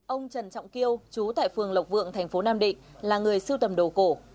ông trần trọng kiêu chú tại phường lộc vượng tp nam định là người sưu tầm đồ cổ